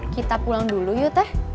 kita pulang dulu yuk teh